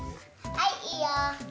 はいいいよ。